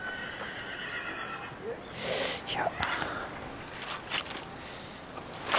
いや。